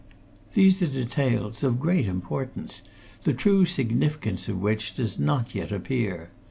These are details of great importance the true significance of which does not yet appear.